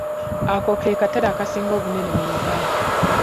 Ako ke katale akasinga obunene mu Uganda.